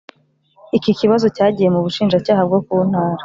iki kibazo cyagiye mu Bushinjacyaha bwo ku ntara